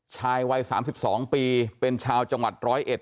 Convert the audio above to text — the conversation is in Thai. ชายวัยสามสิบสองปีเป็นชาวจังหวัดร้อยเอ็ด